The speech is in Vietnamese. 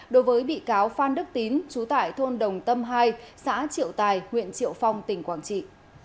đối với bị cáo phan đức tín trú tại thôn đồng tâm hai xã triệu tài huyện triệu phong tỉnh quảng trị